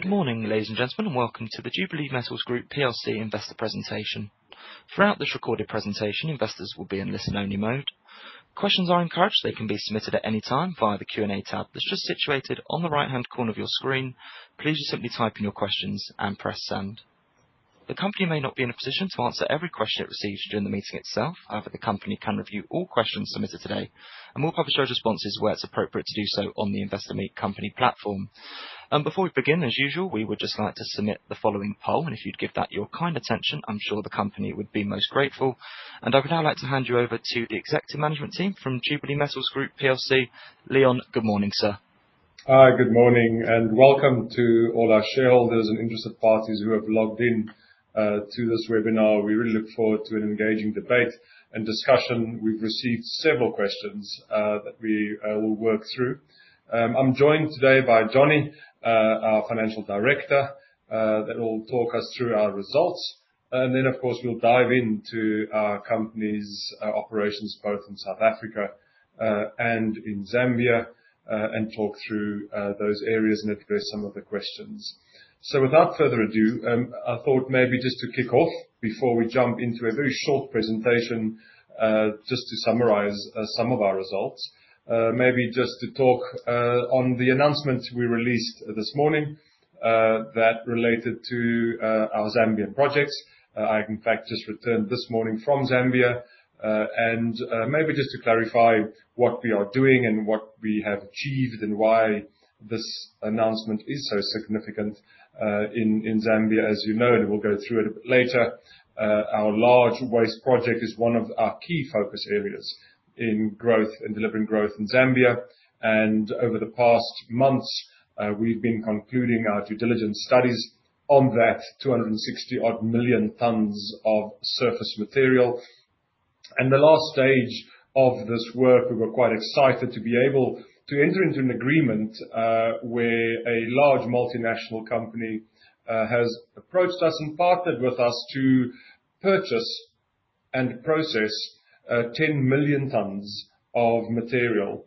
Good morning, ladies and gentlemen, and welcome to the Jubilee Metals Group plc Investor Presentation. Throughout this recorded presentation, investors will be in listen-only mode. Questions are encouraged. They can be submitted at any time via the Q&A tab that's just situated on the right-hand corner of your screen. Please just simply type in your questions and press Send. The company may not be in a position to answer every question it receives during the meeting itself. However, the company can review all questions submitted today, and we'll publish those responses where it's appropriate to do so on the Investor Meet Company platform. Before we begin, as usual, we would just like to submit the following poll, and if you'd give that your kind attention, I'm sure the company would be most grateful. I would now like to hand you over to the executive management team from Jubilee Metals Group plc. Leon, good morning, sir. Hi, good morning and welcome to all our shareholders and interested parties who have logged in to this webinar. We really look forward to an engaging debate and discussion. We've received several questions that we will work through. I'm joined today by Johnny, our Finance Director that will talk us through our results. Of course, we'll dive into our company's operations both in South Africa and in Zambia and talk through those areas and address some of the questions. Without further ado, I thought maybe just to kick off before we jump into a very short presentation just to summarize some of our results. Maybe just to talk on the announcement we released this morning that related to our Zambian projects. I in fact just returned this morning from Zambia. Maybe just to clarify what we are doing and what we have achieved and why this announcement is so significant in Zambia. As you know, we'll go through it a bit later, our large waste project is one of our key focus areas in growth and delivering growth in Zambia. Over the past months, we've been concluding our due diligence studies on that 260-odd million tons of surface material. The last stage of this work, we were quite excited to be able to enter into an agreement where a large multinational company has approached us and partnered with us to purchase and process 10 million tons of material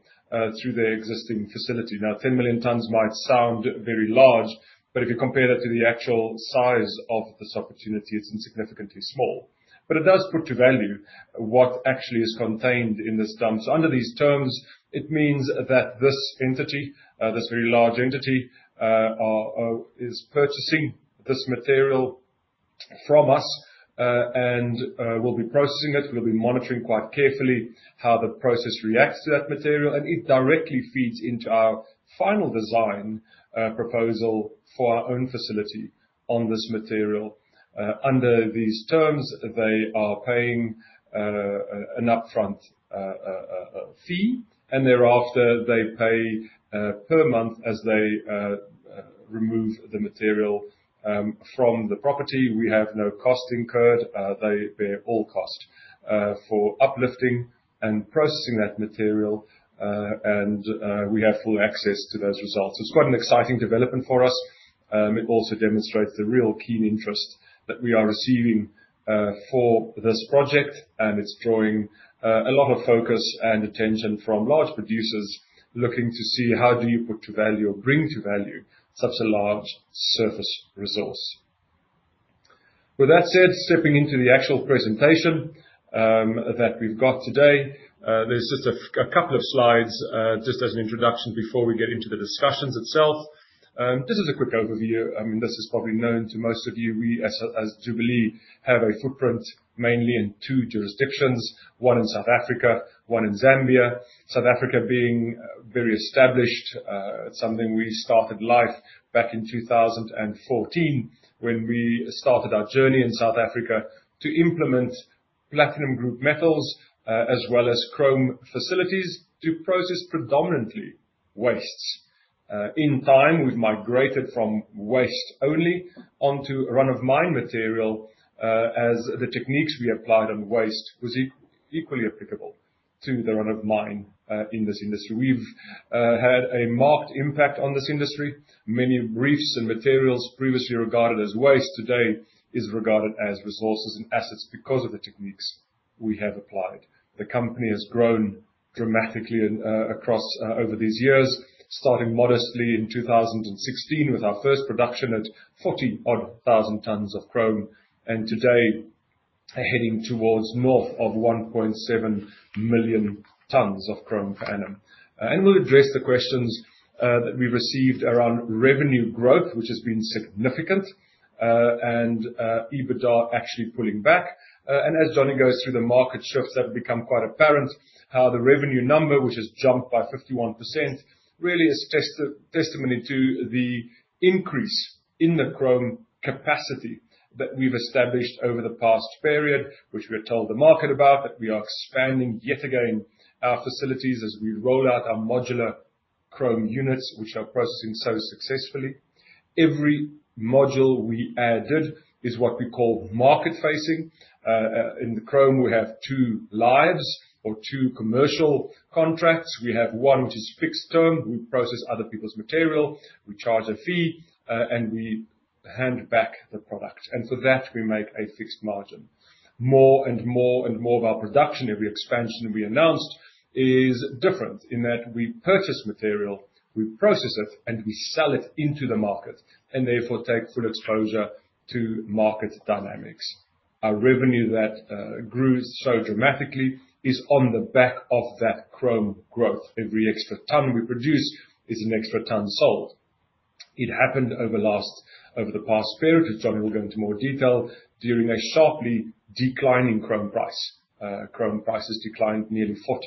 through their existing facility. Now, 10 million tons might sound very large, but if you compare that to the actual size of this opportunity, it's insignificantly small. It does put to value what actually is contained in this dump. Under these terms, it means that this entity, this very large entity, is purchasing this material from us, and will be processing it. We'll be monitoring quite carefully how the process reacts to that material, and it directly feeds into our final design proposal for our own facility on this material. Under these terms, they are paying an upfront fee, and thereafter, they pay per month as they remove the material from the property. We have no cost incurred. They bear all cost for uplifting and processing that material, and we have full access to those results. It's quite an exciting development for us. It also demonstrates the real keen interest that we are receiving for this project, and it's drawing a lot of focus and attention from large producers looking to see how do you put to value or bring to value such a large surface resource. With that said, stepping into the actual presentation that we've got today, there's just a couple of slides just as an introduction before we get into the discussions itself. Just as a quick overview, I mean, this is probably known to most of you. We as Jubilee have a footprint mainly in two jurisdictions, one in South Africa, one in Zambia. South Africa being very established. It's something we started life back in 2014 when we started our journey in South Africa to implement platinum group metals, as well as chrome facilities to process predominantly wastes. In time, we've migrated from waste only onto run-of-mine material, as the techniques we applied on waste was equally applicable to the run of mine, in this industry. We've had a marked impact on this industry. Many reefs and materials previously regarded as waste today is regarded as resources and assets because of the techniques we have applied. The company has grown dramatically and, across, over these years, starting modestly in 2016 with our first production at 40,000 tons of chrome. Today heading towards north of 1.7 million tons of chrome per annum. We'll address the questions that we received around revenue growth, which has been significant, and EBITDA actually pulling back. As Johnny goes through the market shifts that have become quite apparent, how the revenue number, which has jumped by 51%, really is testimony to the increase in the chrome capacity that we've established over the past period, which we have told the market about, that we are expanding yet again our facilities as we roll out our modular chrome units, which are processing so successfully. Every module we added is what we call market-facing. In the chrome, we have two lines or two commercial contracts. We have one which is fixed term. We process other people's material. We charge a fee, and we hand back the product and for that we make a fixed margin. More and more of our production, every expansion we announced is different in that we purchase material, we process it, and we sell it into the market and therefore take full exposure to market dynamics. Our revenue that grows so dramatically is on the back of that chrome growth. Every extra ton we produce is an extra ton sold. It happened over the past period, which Johnny will go into more detail, during a sharply declining chrome price. Chrome prices declined nearly 40%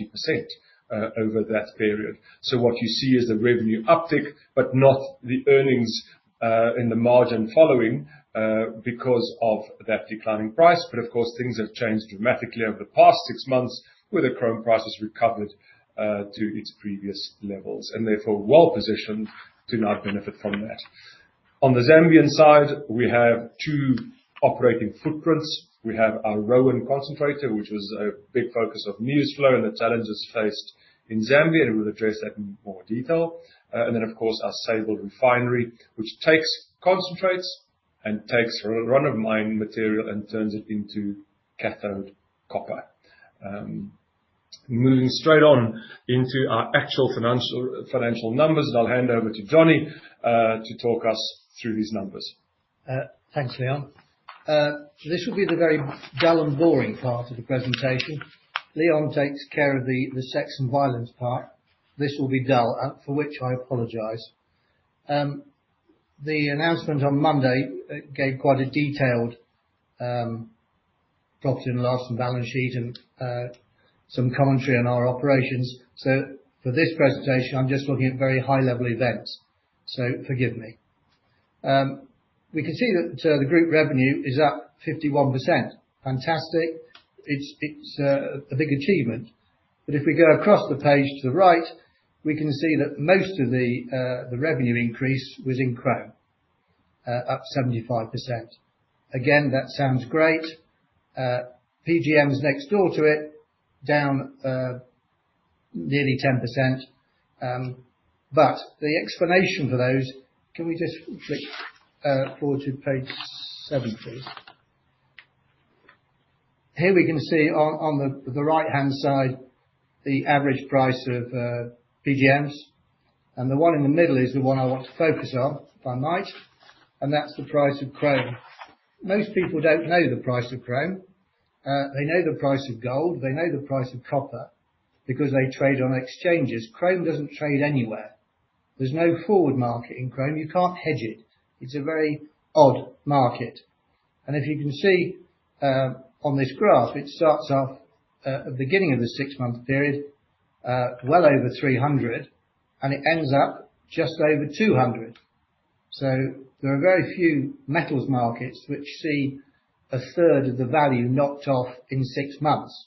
over that period. What you see is the revenue uptick, but not the earnings in the margin following because of that declining price. Of course, things have changed dramatically over the past six months, where the chrome price has recovered to its previous levels and therefore well-positioned to now benefit from that. On the Zambian side, we have two operating footprints. We have our Roan concentrator, which was a big focus of news flow and the challenges faced in Zambia, and we'll address that in more detail. Our Sable Refinery, which takes concentrates and run-of-mine material and turns it into cathode copper. Moving straight on into our actual financial numbers. I'll hand over to Johnny to talk us through these numbers. Thanks, Leon. This will be the very dull and boring part of the presentation. Leon takes care of the sex and violence part. This will be dull for which I apologize. The announcement on Monday gave quite a detailed profit and loss and balance sheet and some commentary on our operations. For this presentation, I'm just looking at very high-level events, so forgive me. We can see that the group revenue is up 51%. Fantastic. It's a big achievement. If we go across the page to the right, we can see that most of the revenue increase was in chrome up 75%. Again, that sounds great. PGMs next door to it down nearly 10%. The explanation for those. Can we just flick forward to page seven, please. Here we can see on the right-hand side the average price of PGMs. The one in the middle is the one I want to focus on if I might, and that's the price of chrome. Most people don't know the price of chrome. They know the price of gold, they know the price of copper because they trade on exchanges. Chrome doesn't trade anywhere. There's no forward market in chrome. You can't hedge it. It's a very odd market. If you can see on this graph, it starts off at the beginning of the six-month period well over 300, and it ends up just over 200. There are very few metals markets which see a third of the value knocked off in six months.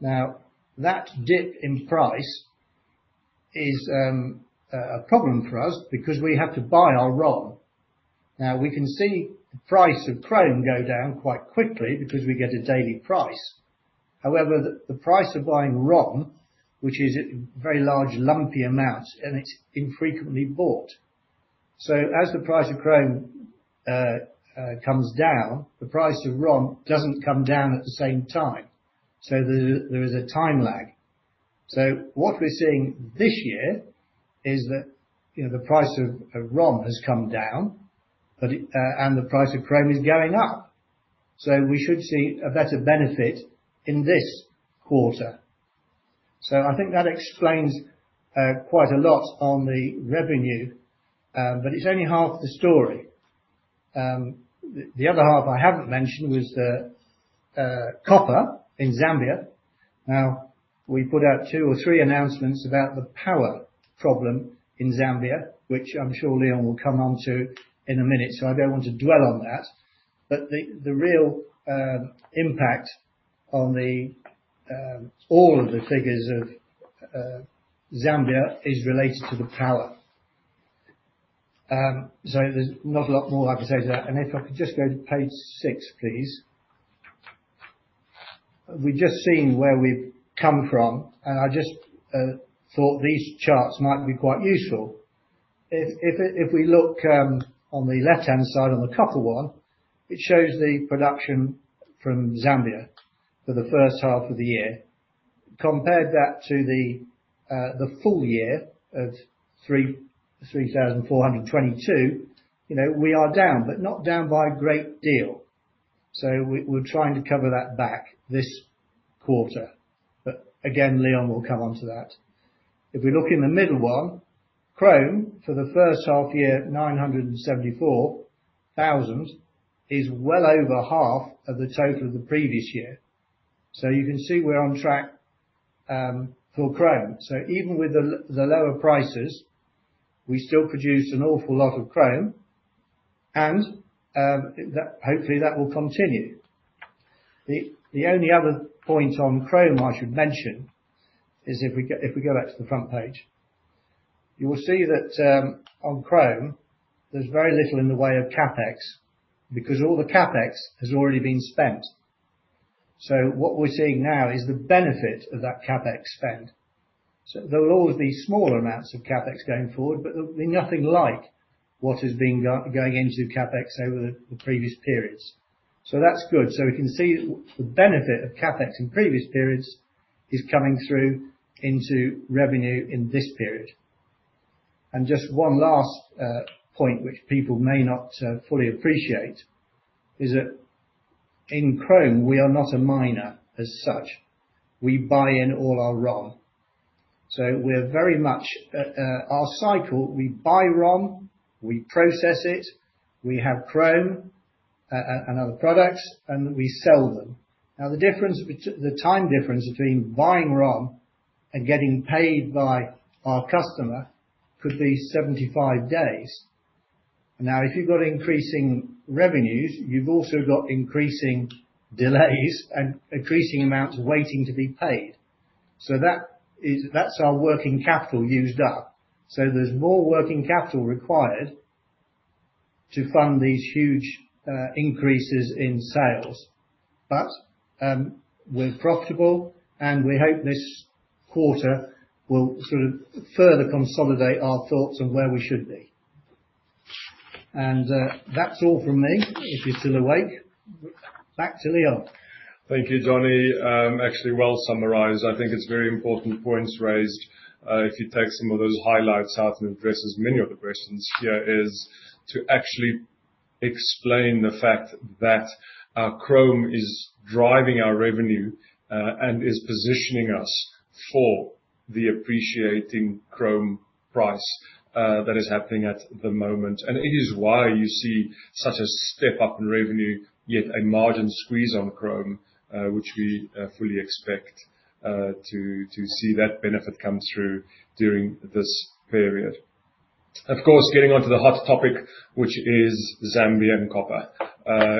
Now, that dip in price is a problem for us because we have to buy our ROM. Now we can see the price of chrome go down quite quickly because we get a daily price. However, the price of buying ROM, which is a very large lumpy amount, and it's infrequently bought. As the price of chrome comes down, the price of ROM doesn't come down at the same time. There is a time lag. What we're seeing this year is that you know the price of ROM has come down, but and the price of chrome is going up, so we should see a better benefit in this quarter. I think that explains quite a lot on the revenue, but it's only half the story. The other half I haven't mentioned was the copper in Zambia. Now, we put out two or three announcements about the power problem in Zambia, which I'm sure Leon will come on to in a minute, so I don't want to dwell on that. The real impact on all of the figures of Zambia is related to the power. There's not a lot more I can say to that. If I could just go to page six, please. We've just seen where we've come from, and I just thought these charts might be quite useful. If we look on the left-hand side on the copper one, it shows the production from Zambia for the first half of the year. Compare that to the full year of 3,422. You know, we are down, but not down by a great deal. We're trying to cover that back this quarter. But again, Leon will come on to that. If we look in the middle one, chrome for the first half year, 974,000 is well over half of the total of the previous year. You can see we're on track for chrome. Even with the lower prices, we still produce an awful lot of chrome and hopefully that will continue. The only other point on chrome I should mention is if we go back to the front page. You will see that on chrome there's very little in the way of CapEx because all the CapEx has already been spent. What we're seeing now is the benefit of that CapEx spend. There will always be smaller amounts of CapEx going forward, but they'll be nothing like what is being going into CapEx over the previous periods. That's good. We can see the benefit of CapEx in previous periods is coming through into revenue in this period. Just one last point which people may not fully appreciate is that in chrome we are not a miner as such. We buy in all our raw. We're very much our cycle, we buy raw, we process it, we have chrome and other products, and we sell them. Now, the time difference between buying raw and getting paid by our customer could be 75 days. Now, if you've got increasing revenues, you've also got increasing delays and increasing amounts waiting to be paid. That's our working capital used up. There's more working capital required to fund these huge increases in sales. We're profitable, and we hope this quarter will sort of further consolidate our thoughts on where we should be. That's all from me. If you're still awake, back to Leon. Thank you, Johnny. Actually well summarized. I think it's very important points raised. If you take some of those highlights out, and it addresses many of the questions here is to actually explain the fact that our chrome is driving our revenue, and is positioning us for the appreciating chrome price that is happening at the moment. It is why you see such a step-up in revenue, yet a margin squeeze on chrome, which we fully expect to see that benefit come through during this period. Of course, getting onto the hot topic, which is Zambian copper,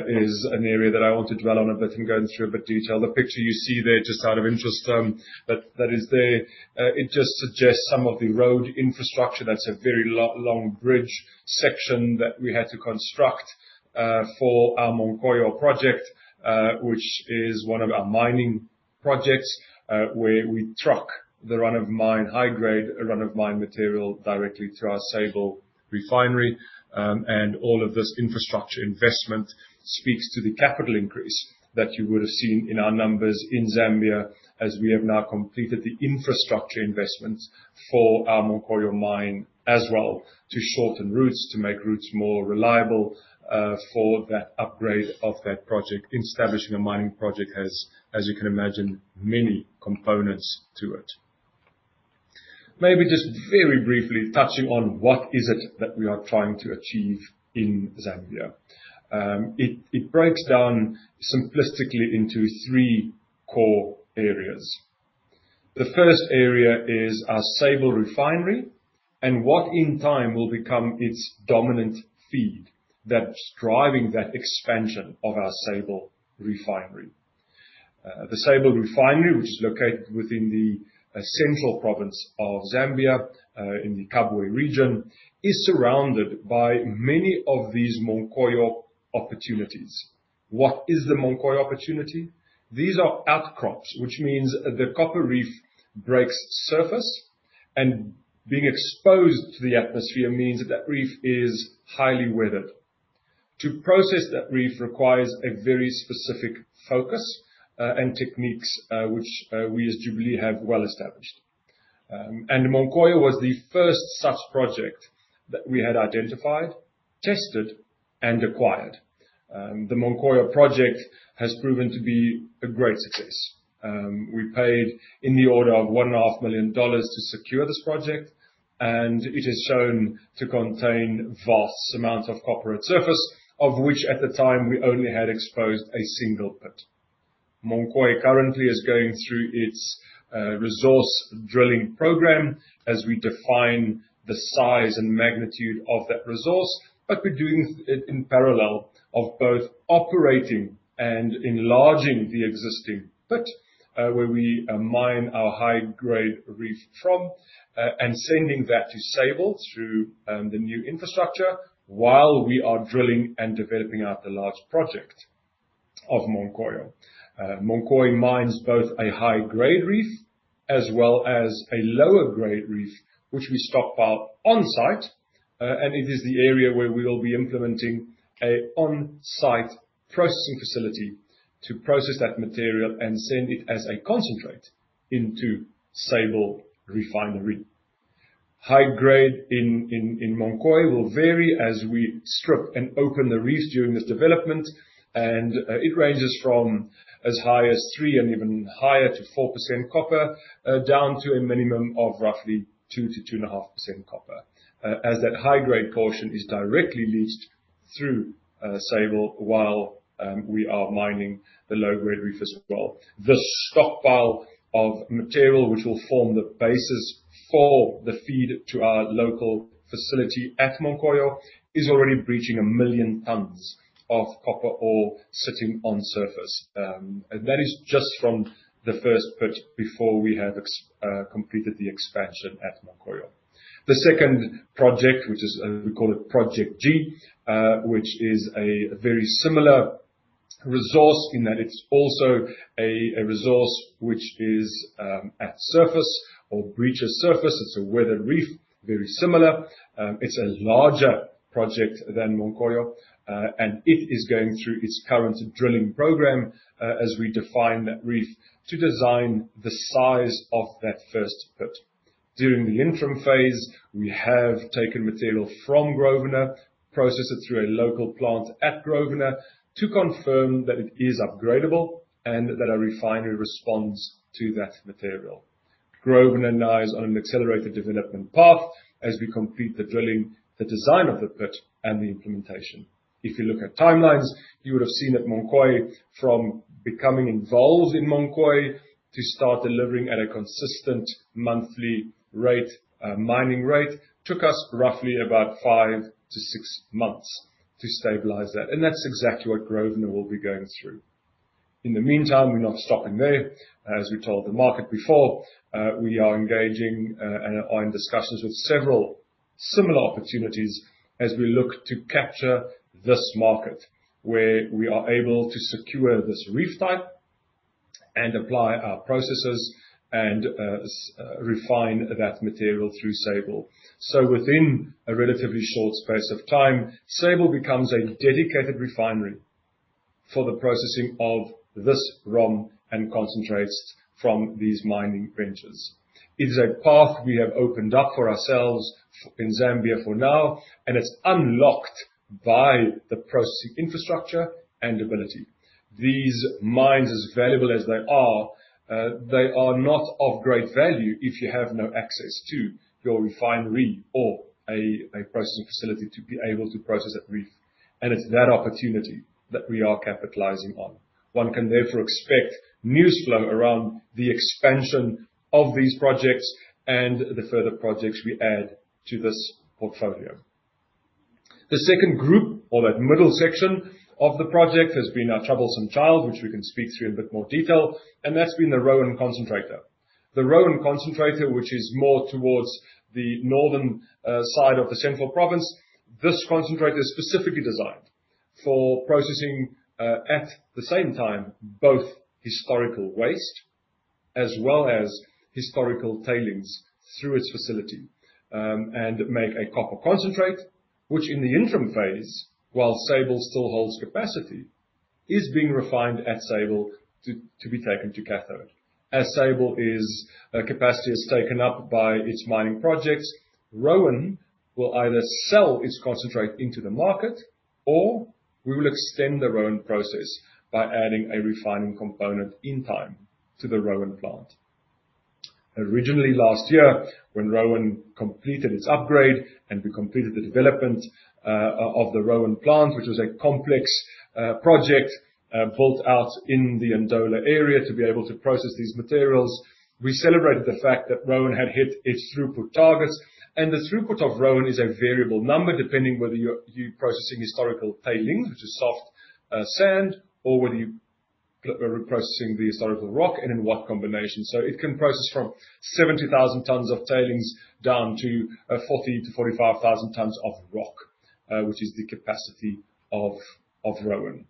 is an area that I want to dwell on a bit and go through a bit of detail. The picture you see there, just out of interest, that is there. It just suggests some of the road infrastructure. That's a very long bridge section that we had to construct for our Munkoyo project, which is one of our mining projects, where we truck the run-of-mine, high grade run-of-mine material directly to our Sable Refinery. All of this infrastructure investment speaks to the capital increase that you would have seen in our numbers in Zambia as we have now completed the infrastructure investments for our Munkoyo mine as well to shorten routes, to make routes more reliable for that upgrade of that project. Establishing a mining project has, as you can imagine, many components to it. Maybe just very briefly touching on what is it that we are trying to achieve in Zambia. It breaks down simplistically into three core areas. The first area is our Sable Refinery and what in time will become its dominant feed that's driving that expansion of our Sable Refinery. The Sable Refinery, which is located within the central province of Zambia, in the Kabwe region, is surrounded by many of these Munkoyo opportunities. What is the Munkoyo opportunity? These are outcrops, which means the copper reef breaks surface, and being exposed to the atmosphere means that that reef is highly weathered. To process that reef requires a very specific focus, and techniques, which we as Jubilee have well established. Munkoyo was the first such project that we had identified, tested, and acquired. The Munkoyo project has proven to be a great success. We paid in the order of $1.5 million to secure this project, and it has shown to contain vast amounts of copper at surface, of which at the time we only had exposed a single pit. Munkoyo currently is going through its resource drilling program as we define the size and magnitude of that resource, but we're doing it in parallel of both operating and enlarging the existing pit, where we mine our high-grade reef from, and sending that to Sable through the new infrastructure while we are drilling and developing out the large project of Munkoyo. Munkoyo mines both a high-grade reef as well as a lower grade reef, which we stockpile on-site. It is the area where we will be implementing an on-site processing facility to process that material and send it as a concentrate into Sable Refinery. High grade in Munkoyo will vary as we strip and open the reefs during this development. It ranges from as high as 3% and even higher to 4% copper down to a minimum of roughly 2%-2.5% copper. As that high-grade portion is directly leached through Sable while we are mining the low-grade reef as well. The stockpile of material which will form the basis for the feed to our local facility at Munkoyo is already reaching 1 million tons of copper ore sitting on surface. That is just from the first pit before we have completed the expansion at Munkoyo. The second project, which is, we call it Project G, which is a very similar resource in that it's also a resource which is, at surface or breaches surface. It's a weathered reef, very similar. It's a larger project than Munkoyo, and it is going through its current drilling program, as we define that reef to design the size of that first pit. During the interim phase, we have taken material from Grosvenor, processed it through a local plant at Grosvenor to confirm that it is upgradable and that our refinery responds to that material. Grosvenor now is on an accelerated development path as we complete the drilling, the design of the pit, and the implementation. If you look at timelines, you would have seen that Munkoyo from becoming involved in Munkoyo to start delivering at a consistent monthly rate, mining rate, took us roughly about 5-6 months to stabilize that. That's exactly what Grosvenor will be going through. In the meantime, we're not stopping there. As we told the market before, we are engaging and are in discussions with several similar opportunities as we look to capture this market where we are able to secure this reef type and apply our processes and refine that material through Sable. Within a relatively short space of time, Sable becomes a dedicated refinery for the processing of this ROM and concentrates from these mining ventures. It is a path we have opened up for ourselves in Zambia for now, and it's unlocked by the processing infrastructure and ability. These mines, as valuable as they are, they are not of great value if you have no access to your refinery or a processing facility to be able to process that reef. It's that opportunity that we are capitalizing on. One can therefore expect news flow around the expansion of these projects and the further projects we add to this portfolio. The second group or that middle section of the project has been our troublesome child, which we can speak through in a bit more detail, and that's been the Roan concentrator. The Roan concentrator, which is more towards the northern side of the Central Province. This concentrator is specifically designed for processing at the same time both historical waste as well as historical tailings through its facility and make a copper concentrate, which in the interim phase, while Sable still holds capacity, is being refined at Sable to be taken to cathode. As Sable's capacity is taken up by its mining projects, Roan will either sell its concentrate into the market, or we will extend the Roan process by adding a refining component in time to the Roan plant. Originally last year, when Roan completed its upgrade and we completed the development of the Roan plant, which was a complex project built out in the Ndola area to be able to process these materials. We celebrated the fact that Roan had hit its throughput targets, and the throughput of Roan is a variable number, depending whether you're processing historical tailings, which is soft sand, or whether you are processing the historical rock and in what combination. It can process from 70,000 tons of tailings down to 40,000-45,000 tons of rock, which is the capacity of Roan.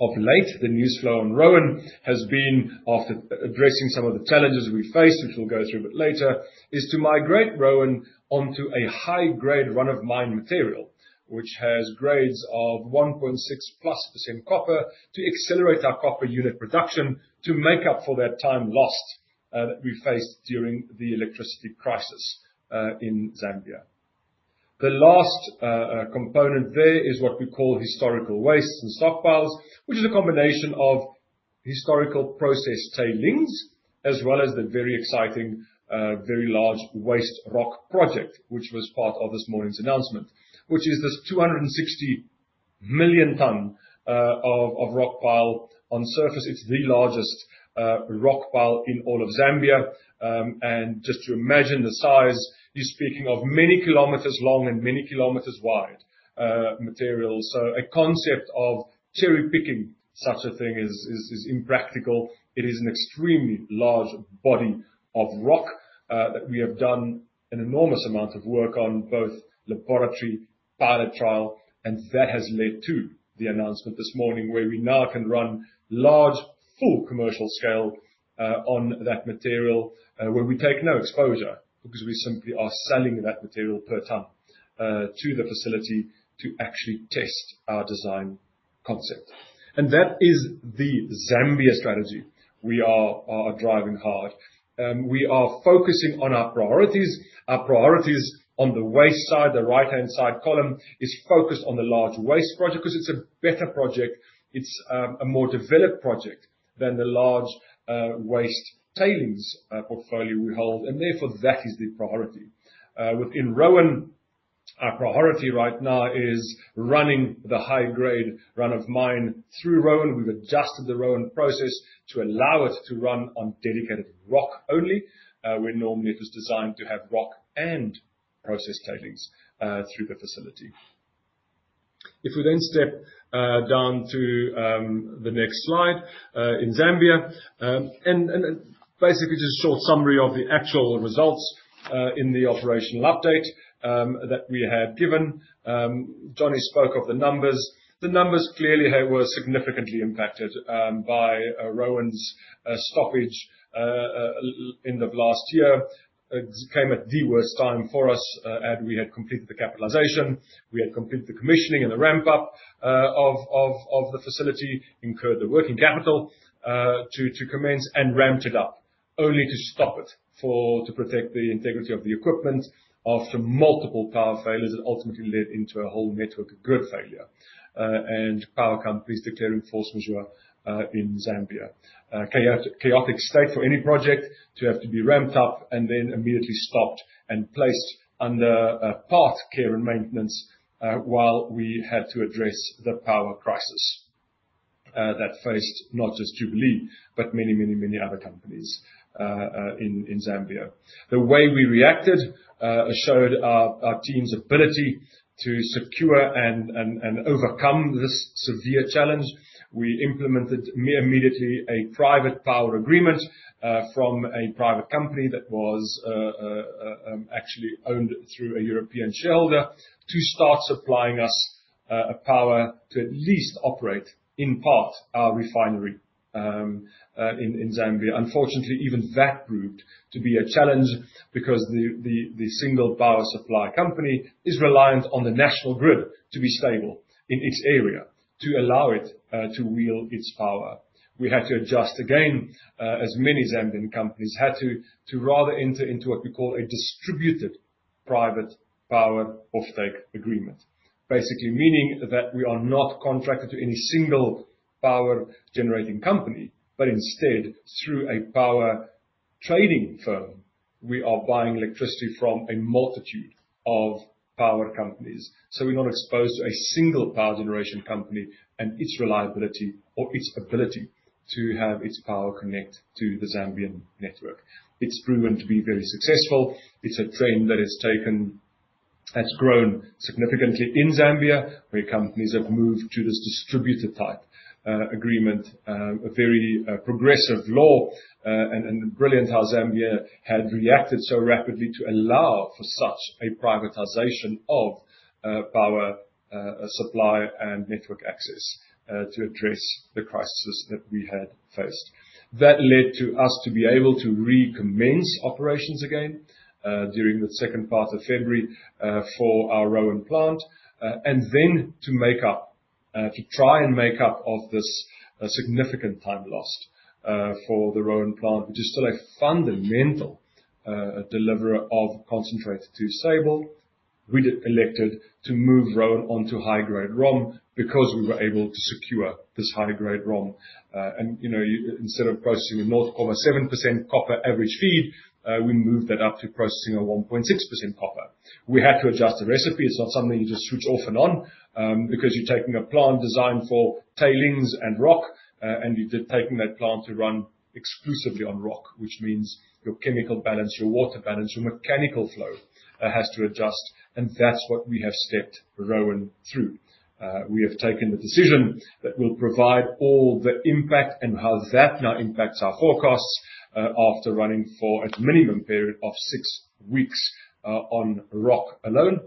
Of late, the news flow on Roan has been after addressing some of the challenges we faced, which we'll go through a bit later, is to migrate Roan onto a high-grade run of mine material, which has grades of 1.6%+ copper to accelerate our copper unit production to make up for that time lost that we faced during the electricity crisis in Zambia. The last component there is what we call historical waste and stockpiles, which is a combination of historical process tailings as well as the very exciting, very large waste rock project, which was part of this morning's announcement, which is this 260 million ton rock pile on surface. It's the largest rock pile in all of Zambia. Just to imagine the size, you're speaking of many kilometers long and many kilometers wide, materials. A concept of cherry-picking such a thing is impractical. It is an extremely large body of rock that we have done an enormous amount of work on both laboratory pilot trial, and that has led to the announcement this morning where we now can run large full commercial scale on that material where we take no exposure because we simply are selling that material per ton to the facility to actually test our design concept. That is the Zambia strategy we are driving hard. We are focusing on our priorities. Our priorities on the waste side, the right-hand side column, is focused on the large waste project 'cause it's a better project. It's a more developed project than the large waste tailings portfolio we hold, and therefore that is the priority. Within Roan, our priority right now is running the high grade run of mine through Roan. We've adjusted the Roan process to allow it to run on dedicated rock only, where normally it was designed to have rock and processed tailings through the facility. If we then step down to the next slide in Zambia. Basically just a short summary of the actual results in the operational update that we have given. Johnny spoke of the numbers. The numbers clearly were significantly impacted by Roan's end of last year. It just came at the worst time for us, and we had completed the capitalization, we had completed the commissioning and the ramp up of the facility, incurred the working capital to commence and ramped it up, only to stop it to protect the integrity of the equipment after multiple power failures that ultimately led into a whole network grid failure, and power companies declaring force majeure in Zambia. Chaotic state for any project to have to be ramped up and then immediately stopped and placed under part care and maintenance while we had to address the power crisis that faced not just Jubilee, but many other companies in Zambia. The way we reacted showed our team's ability to secure and overcome this severe challenge. We implemented immediately a private power agreement from a private company that was actually owned through a European shareholder to start supplying us power to at least operate in part our refinery in Zambia. Unfortunately, even that proved to be a challenge because the single power supply company is reliant on the national grid to be stable in its area to allow it to wheel its power. We had to adjust again, as many Zambian companies had to rather enter into what we call a distributed private power offtake agreement. Basically meaning that we are not contracted to any single power generating company, but instead, through a power trading firm, we are buying electricity from a multitude of power companies, so we're not exposed to a single power generation company and its reliability or its ability to have its power connect to the Zambian network. It's proven to be very successful. It's a trend that's grown significantly in Zambia, where companies have moved to this distributor type agreement, a very progressive law, and brilliant how Zambia had reacted so rapidly to allow for such a privatization of power supply and network access to address the crisis that we had faced. That led us to be able to recommence operations again during the second part of February for our Roan plant, and then to try and make up for this significant time lost for the Roan plant, which is still a fundamental deliverer of concentrate to Sable. We elected to move Roan onto high-grade ROM because we were able to secure this high-grade ROM. You know, instead of processing a 0.7% copper average feed, we moved that up to processing a 1.6% copper. We had to adjust the recipe. It's not something you just switch off and on, because you're taking a plant designed for tailings and rock, and you're taking that plant to run exclusively on rock, which means your chemical balance, your water balance, your mechanical flow, has to adjust. That's what we have stepped Roan through. We have taken the decision that will provide all the impact and how that now impacts our forecasts, after running for a minimum period of six weeks, on rock alone,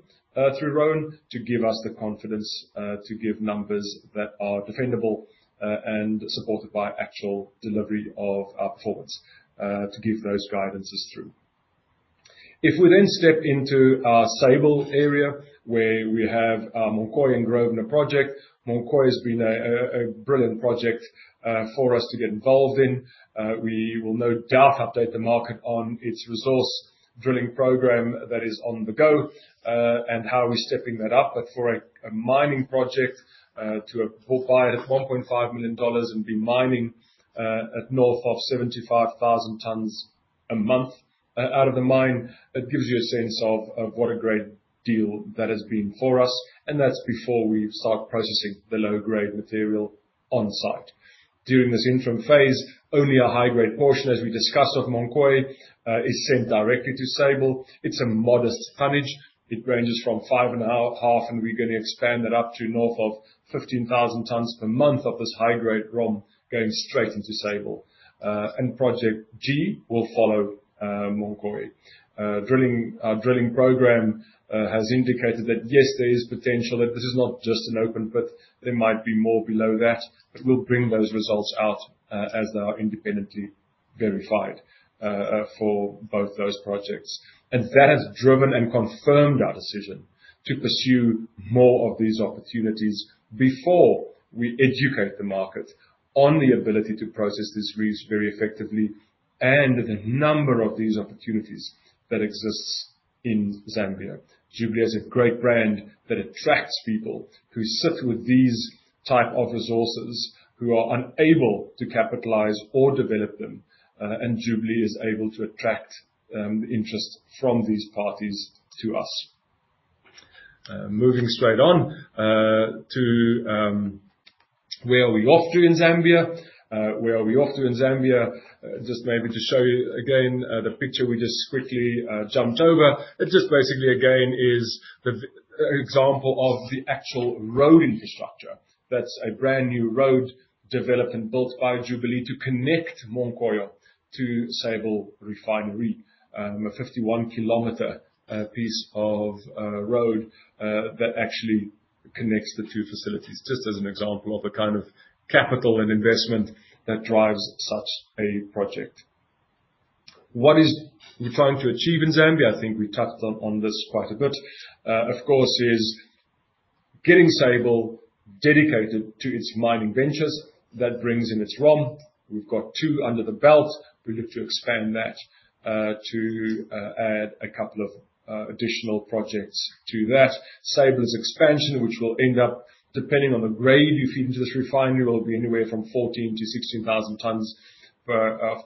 through Roan, to give us the confidence, to give numbers that are defendable, and supported by actual delivery of our performance, to give those guidances through. If we step into our Sable area, where we have Munkoyo and Grosvenor project. Munkoyo has been a brilliant project, for us to get involved in. We will no doubt update the market on its resource drilling program that is on the go, and how we're stepping that up. For a mining project to acquire at $1.5 million and be mining at north of 75,000 tons a month out of the mine, that gives you a sense of what a great deal that has been for us. That's before we start processing the low-grade material on-site. During this interim phase, only a high-grade portion, as we discussed, of Munkoyo is sent directly to Sable. It's a modest tonnage. It ranges from 5.5, and we're gonna expand that up to north of 15,000 tons per month of this high-grade ROM going straight into Sable. Project G will follow Munkoyo. Drilling program has indicated that, yes, there is potential, that this is not just an open pit, there might be more below that. We'll bring those results out as they are independently verified for both those projects. That has driven and confirmed our decision to pursue more of these opportunities before we educate the market on the ability to process this resource very effectively and the number of these opportunities that exist in Zambia. Jubilee is a great brand that attracts people who sit with these type of resources, who are unable to capitalize or develop them, and Jubilee is able to attract interest from these parties to us. Moving straight on to where are we off to in Zambia? Where are we off to in Zambia? Just maybe to show you again the picture we just quickly jumped over. It just basically, again, is the example of the actual road infrastructure. That's a brand-new road developed and built by Jubilee to connect Munkoyo to Sable Refinery. A 51 km piece of road that actually connects the two facilities. Just as an example of the kind of capital and investment that drives such a project. What we're trying to achieve in Zambia? I think we touched on this quite a bit. Of course, is getting Sable dedicated to its mining ventures that brings in its ROM. We've got two under the belt. We look to expand that to add a couple of additional projects to that. Sable's expansion, which will end up depending on the grade you feed into this refinery, will be anywhere from 14,000-16,000 tons per annum of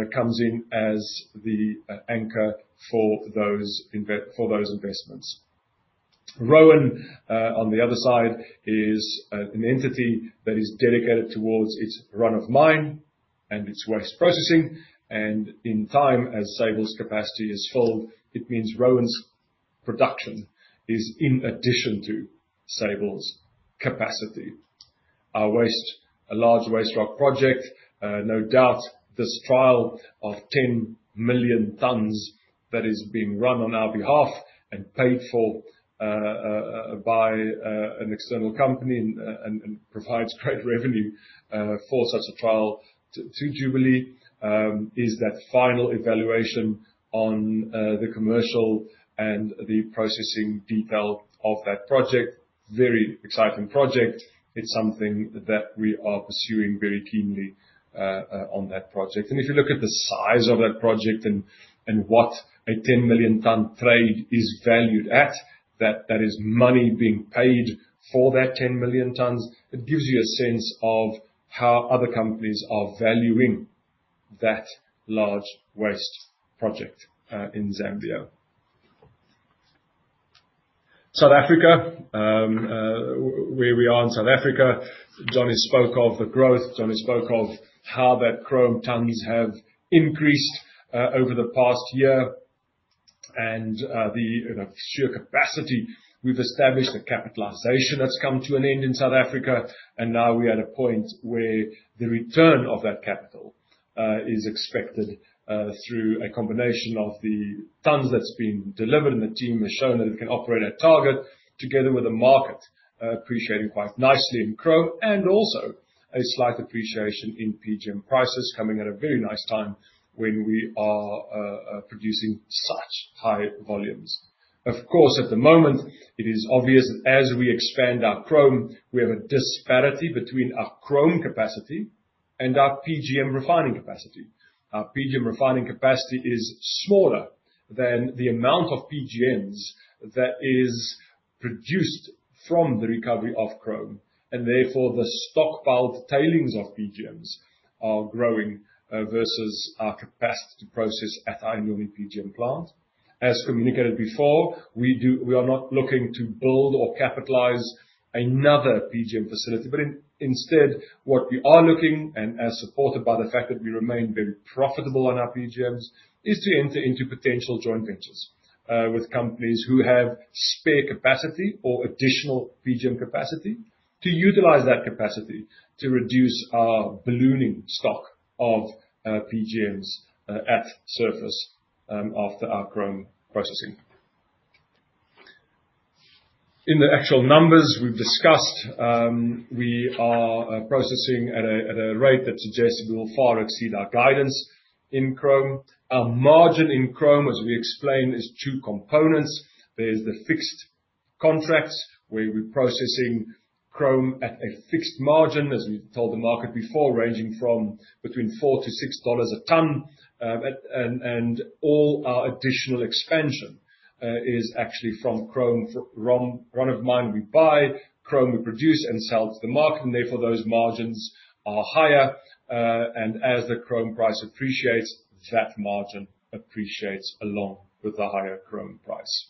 copper, comes in as the anchor for those investments. Roan on the other side is an entity that is dedicated towards its run of mine and its waste processing, and in time, as Sable's capacity is filled, it means Roan's production is in addition to Sable's capacity. Our waste, a large waste rock project, no doubt this trial of 10 million tons that is being run on our behalf and paid for by an external company and provides great revenue for such a trial to Jubilee, is that final evaluation on the commercial and the processing detail of that project. Very exciting project. It's something that we are pursuing very keenly on that project. If you look at the size of that project and what a 10 million ton trade is valued at, that is money being paid for that 10 million tons. It gives you a sense of how other companies are valuing that large waste project in Zambia. South Africa. Where we are in South Africa. Johnny spoke of the growth. Johnny spoke of how that chrome tons have increased over the past year and the sheer capacity. We've established a capitalization that's come to an end in South Africa, and now we're at a point where the return of that capital is expected through a combination of the tons that's been delivered, and the team has shown that it can operate at target together with the market appreciating quite nicely in chrome and also a slight appreciation in PGM prices coming at a very nice time when we are producing such high volumes. Of course, at the moment it is obvious that as we expand our chrome, we have a disparity between our chrome capacity and our PGM refining capacity. Our PGM refining capacity is smaller than the amount of PGMs that is produced from the recovery of chrome, and therefore the stockpiled tailings of PGMs are growing versus our capacity to process at our newly PGM plant. As communicated before, we are not looking to build or capitalize another PGM facility, but instead what we are looking, and as supported by the fact that we remain very profitable on our PGMs, is to enter into potential joint ventures with companies who have spare capacity or additional PGM capacity to utilize that capacity to reduce our ballooning stock of PGMs at surface after our chrome processing. In the actual numbers we've discussed, we are processing at a rate that suggests we will far exceed our guidance in chrome. Our margin in chrome, as we explained, is two components. There's the fixed contracts where we're processing chrome at a fixed margin, as we've told the market before, ranging from between $4-$6 a ton. All our additional expansion is actually from chrome, ROM, run of mine we buy, chrome we produce and sell to the market, and therefore those margins are higher. As the chrome price appreciates, that margin appreciates along with the higher chrome price.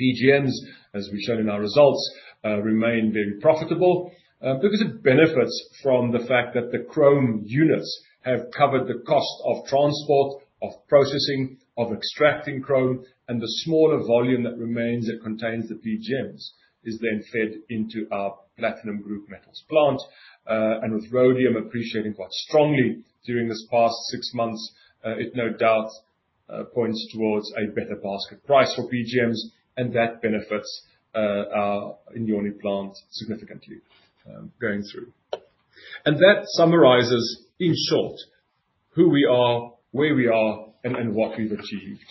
PGMs, as we've shown in our results, remain very profitable, because it benefits from the fact that the chrome units have covered the cost of transport, of processing, of extracting chrome and the smaller volume that remains that contains the PGMs is then fed into our platinum group metals plant. With rhodium appreciating quite strongly during this past six months, it no doubt points towards a better basket price for PGMs and that benefits our Inyoni plant significantly, going through. That summarizes, in short, who we are, where we are and what we've achieved.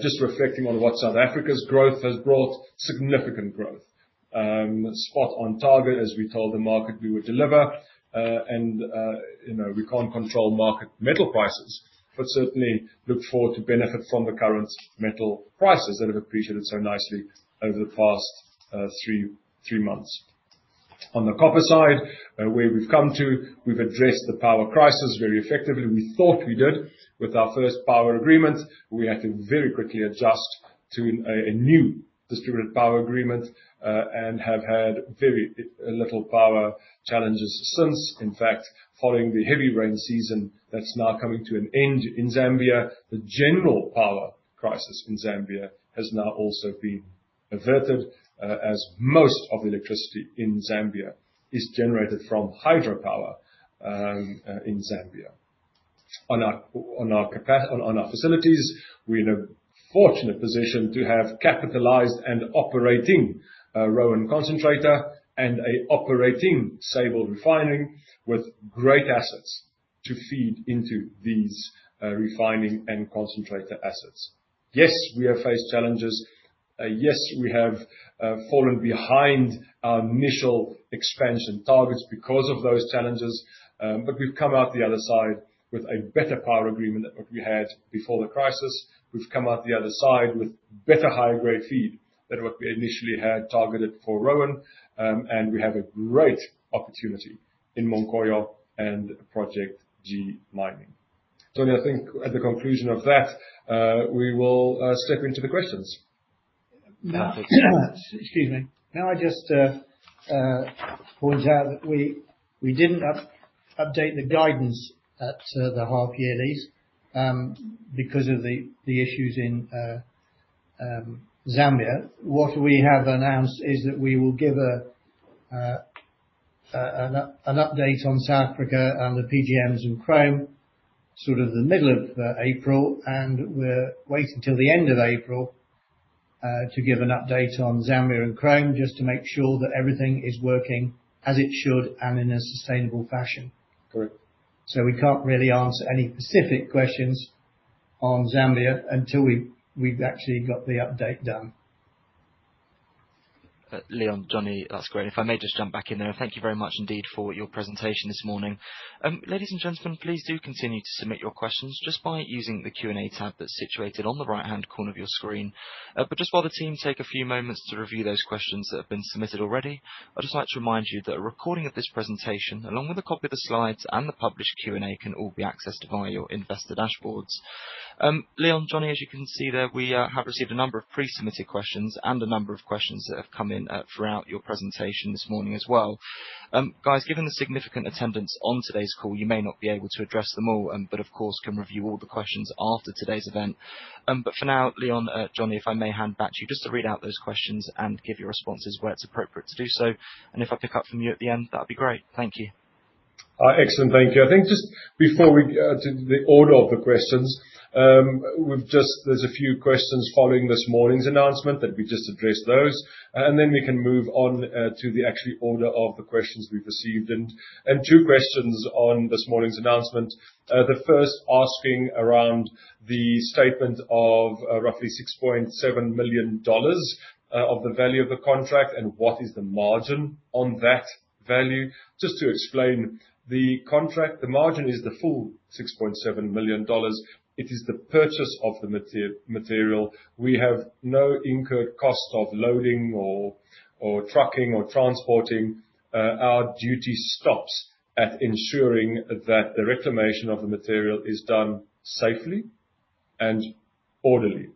Just reflecting on what South Africa's growth has brought, significant growth, spot on target as we told the market we would deliver. You know, we can't control market metal prices, but certainly look forward to benefit from the current metal prices that have appreciated so nicely over the past three months. On the copper side, where we've come to, we've addressed the power crisis very effectively. We thought we did with our first power agreement. We had to very quickly adjust to a new distributed power agreement, and have had very little power challenges since. In fact, following the heavy rain season that's now coming to an end in Zambia, the general power crisis in Zambia has now also been averted, as most of electricity in Zambia is generated from hydropower, in Zambia. On our facilities, we're in a fortunate position to have capitalized and operating Roan concentrator and an operating Sable Refinery with great assets to feed into these refining and concentrator assets. Yes, we have faced challenges. Yes, we have fallen behind our initial expansion targets because of those challenges, but we've come out the other side with a better power agreement than what we had before the crisis. We've come out the other side with better high-grade feed than what we initially had targeted for Roan. We have a great opportunity in Munkoyo and Project G mining. Tony, I think at the conclusion of that, we will step into the questions. Now, excuse me. Now I just point out that we didn't update the guidance at the half-year results because of the issues in Zambia. What we have announced is that we will give an update on South Africa and the PGMs and chrome, sort of the middle of April, and we're waiting till the end of April to give an update on Zambia and chrome, just to make sure that everything is working as it should and in a sustainable fashion. Correct. We can't really answer any specific questions on Zambia until we've actually got the update done. Leon, Johnny, that's great. If I may just jump back in there. Thank you very much indeed for your presentation this morning. Ladies and gentlemen, please do continue to submit your questions just by using the Q&A tab that's situated on the right-hand corner of your screen. Just while the team take a few moments to review those questions that have been submitted already, I'd just like to remind you that a recording of this presentation, along with a copy of the slides and the published Q&A, can all be accessed via your investor dashboards. Leon, Johnny, as you can see there, we have received a number of pre-submitted questions and a number of questions that have come in throughout your presentation this morning as well. Guys, given the significant attendance on today's call, you may not be able to address them all, but of course can review all the questions after today's event. For now, Leon, Johnny, if I may hand back to you just to read out those questions and give your responses where it's appropriate to do so. If I pick up from you at the end, that'd be great. Thank you. Excellent. Thank you. I think just before we get to the order of the questions, there are a few questions following this morning's announcement that we just address those, and then we can move on to the actual order of the questions we've received. Two questions on this morning's announcement. The first asking around the statement of roughly $6.7 million of the value of the contract and what is the margin on that value. Just to explain the contract, the margin is the full $6.7 million. It is the purchase of the material. We have no incurred cost of loading or trucking or transporting. Our duty stops at ensuring that the reclamation of the material is done safely and orderly.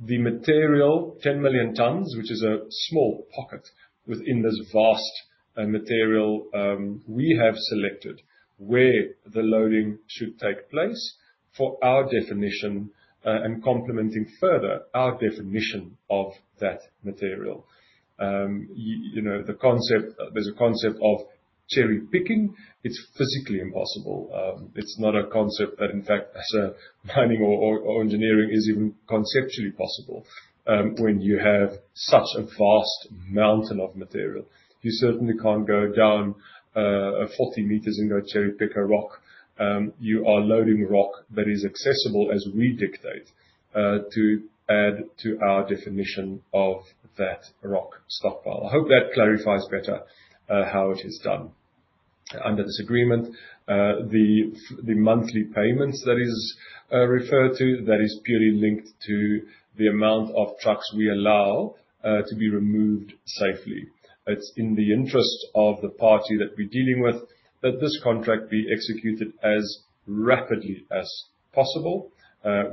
The material, 10 million tons, which is a small pocket within this vast material, we have selected where the loading should take place for our definition, and complementing further our definition of that material. You know, the concept of cherry-picking. It's physically impossible. It's not a concept that, in fact, as a mining or engineering is even conceptually possible, when you have such a vast mountain of material. You certainly can't go down 40 meters and go cherry-pick a rock. You are loading rock that is accessible as we dictate, to add to our definition of that rock stockpile. I hope that clarifies better, how it is done. Under this agreement, the monthly payments that is referred to, that is purely linked to the amount of trucks we allow to be removed safely. It's in the interest of the party that we're dealing with that this contract be executed as rapidly as possible,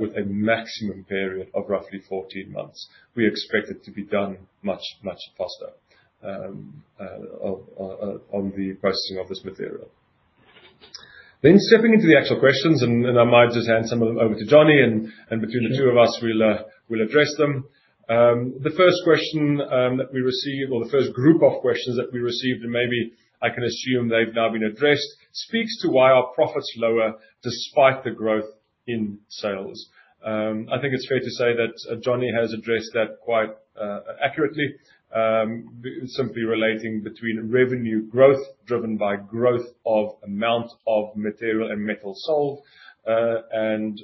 with a maximum period of roughly 14 months. We expect it to be done much faster on the processing of this material. Stepping into the actual questions, and then I might just hand some of them over to Johnny, and between the two of us, we'll address them. The first question that we received or the first group of questions that we received, and maybe I can assume they've now been addressed, speaks to why our profit's lower despite the growth in sales. I think it's fair to say that Johnny has addressed that quite accurately, simply relating between revenue growth driven by growth of amount of material and metal sold, and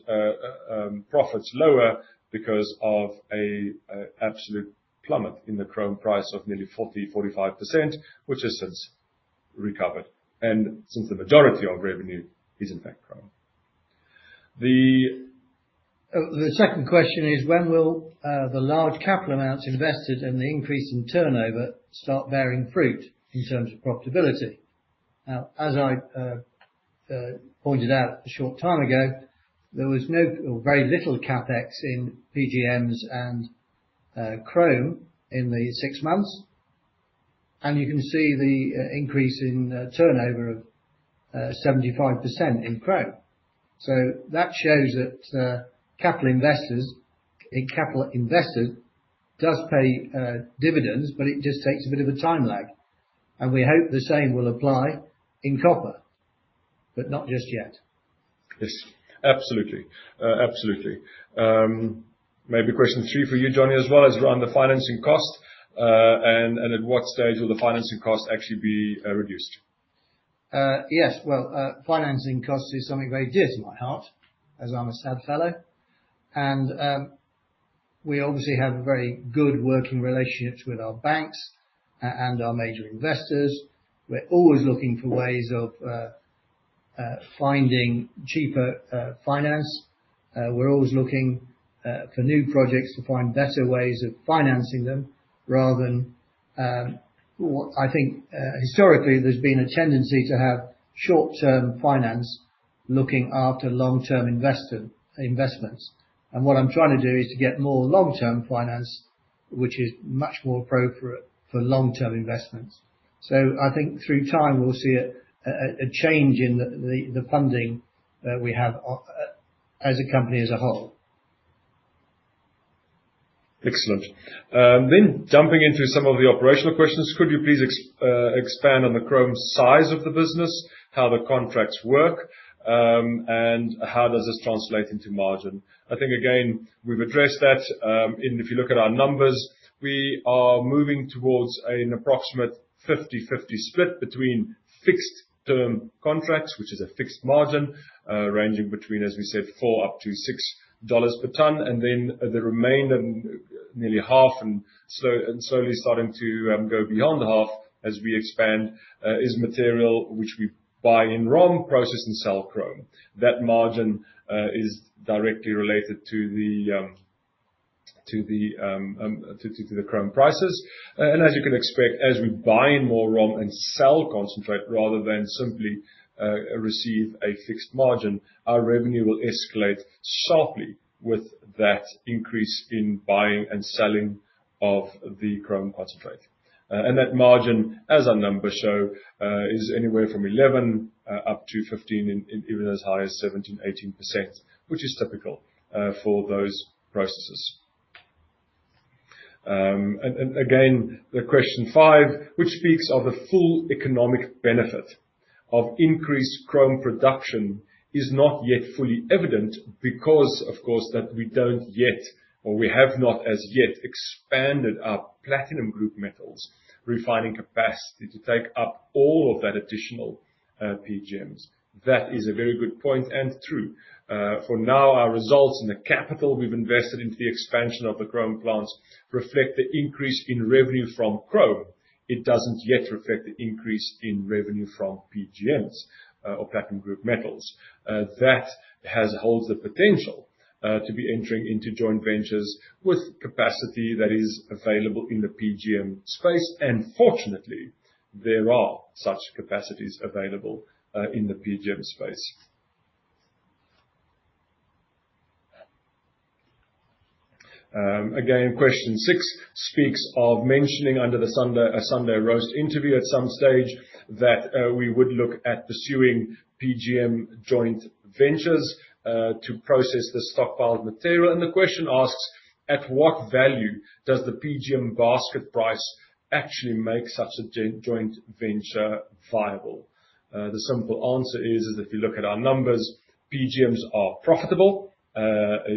profits lower because of a absolute plummet in the chrome price of nearly 45%, which has since recovered, and since the majority of revenue is in fact chrome. The second question is, when will the large capital amounts invested and the increase in turnover start bearing fruit in terms of profitability? Now, as I pointed out a short time ago, there was very little CapEx in PGMs and chrome in the six months. You can see the increase in turnover of 75% in chrome. That shows that capital invested does pay dividends, but it just takes a bit of a time lag. We hope the same will apply in copper, but not just yet. Yes. Absolutely. Maybe question three for you, Johnny, as well, is on the financing cost, and at what stage will the financing cost actually be reduced? Yes. Well, financing cost is something very dear to my heart, as I'm a sad fellow. We obviously have very good working relationships with our banks and our major investors. We're always looking for ways of finding cheaper finance. We're always looking for new projects to find better ways of financing them rather than what I think historically, there's been a tendency to have short-term finance looking after long-term investments. What I'm trying to do is to get more long-term finance, which is much more appropriate for long-term investments. I think through time, we'll see a change in the funding that we have as a company as a whole. Excellent. Jumping into some of the operational questions, could you please expand on the chrome size of the business, how the contracts work, and how does this translate into margin? I think, again, we've addressed that, and if you look at our numbers, we are moving towards an approximate 50/50 split between fixed term contracts, which is a fixed margin, ranging between, as we said, $4-$6 per ton. The remainder, nearly half and slowly starting to go beyond half as we expand, is material which we buy in raw process and sell chrome. That margin is directly related to the chrome prices. As you can expect, as we buy in more raw and sell concentrate rather than simply receive a fixed margin, our revenue will escalate sharply with that increase in buying and selling of the chrome concentrate. That margin, as our numbers show, is anywhere from 11 up to 15, in even as high as 17, 18%, which is typical for those processes. The question five, which speaks of the full economic benefit of increased chrome production is not yet fully evident because, of course, that we don't yet, or we have not as yet expanded our platinum group metals refining capacity to take up all of that additional PGMs. That is a very good point and true. For now, our results and the capital we've invested into the expansion of the chrome plants reflect the increase in revenue from chrome. It doesn't yet reflect the increase in revenue from PGMs, or platinum group metals. That holds the potential to be entering into joint ventures with capacity that is available in the PGM space. Fortunately, there are such capacities available in the PGM space. Again, question six speaks of mentioning under the Sunday Roast interview at some stage that we would look at pursuing PGM joint ventures to process the stockpiled material. The question asks, at what value does the PGM basket price actually make such a joint venture viable? The simple answer is that if you look at our numbers, PGMs are profitable,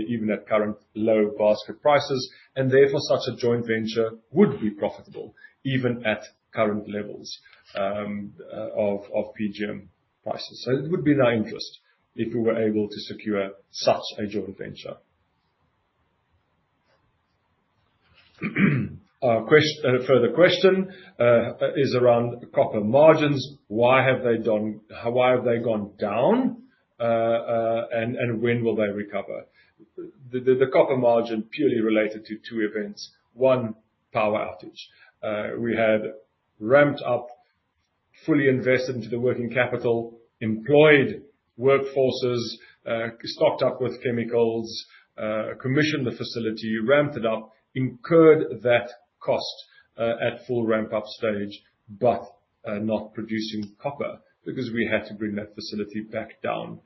even at current low basket prices, and therefore, such a joint venture would be profitable even at current levels, of PGM prices. It would be in our interest if we were able to secure such a joint venture. A further question is around copper margins. Why have they gone down, and when will they recover? The copper margin purely related to two events. One, power outage. We had ramped up, fully invested into the working capital, employed workforces, stocked up with chemicals, commissioned the facility, ramped it up, incurred that cost, at full ramp up stage, but not producing copper because we had to bring that facility back down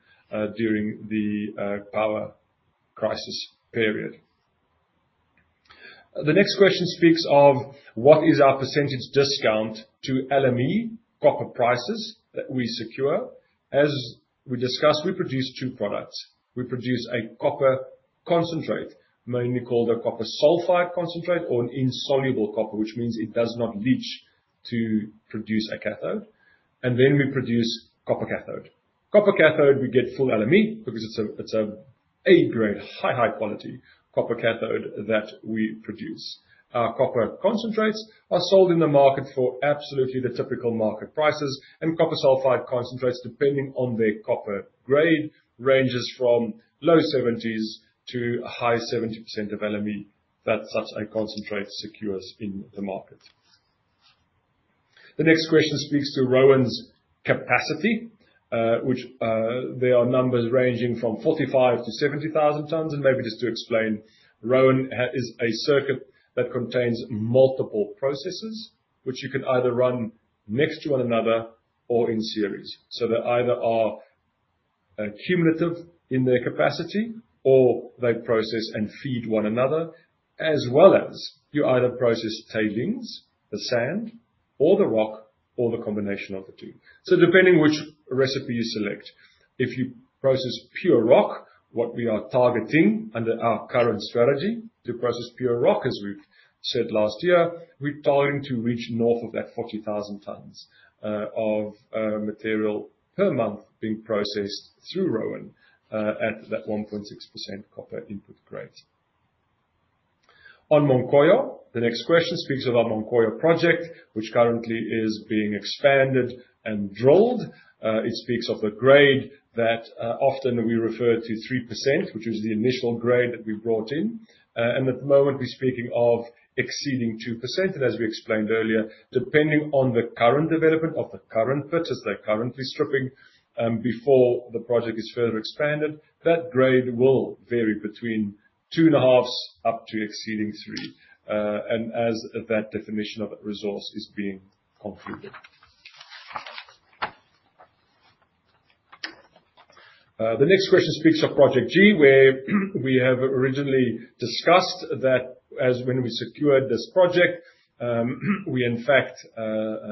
during the power crisis period. The next question speaks of what is our percentage discount to LME copper prices that we secure. As we discussed, we produce two products. We produce a copper concentrate, mainly called a copper sulfide concentrate or an insoluble copper, which means it does not leach to produce a cathode. We produce copper cathode. Copper cathode, we get full LME because it's an A grade, high quality copper cathode that we produce. Our copper concentrates are sold in the market for absolutely the typical market prices, and copper sulfide concentrates, depending on their copper grade, ranges from low 70s to high 70s% of LME that such a concentrate secures in the market. The next question speaks to Roan's capacity, which there are numbers ranging from 45,000-70,000 tons. Maybe just to explain, Roan is a circuit that contains multiple processes, which you can either run next to one another or in series. They either are cumulative in their capacity, or they process and feed one another, as well as you either process tailings, the sand or the rock, or the combination of the two. Depending which recipe you select, if you process pure rock, what we are targeting under our current strategy to process pure rock, as we said last year, we're targeting to reach north of that 40,000 tons of material per month being processed through Roan at that 1.6% copper input grade. On Munkoyo, the next question speaks of our Munkoyo project, which currently is being expanded and drilled. It speaks of a grade that often we refer to 3%, which is the initial grade that we brought in. At the moment we're speaking of exceeding 2%. As we explained earlier, depending on the current development of the current pit as they're currently stripping, before the project is further expanded, that grade will vary between 2.5 up to exceeding 3, and as that definition of resource is being concluded. The next question speaks of Project G, where we have originally discussed that as when we secured this project, we in fact